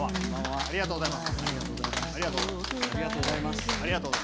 ありがとうございます。